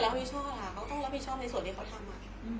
เกิดครอบบีช่อบเหรอเขาก็ต้องอยู่บีช่อบในสวนที่เขาทำ